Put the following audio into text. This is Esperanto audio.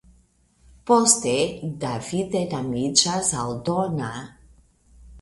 Poste David enamiĝas al Donna.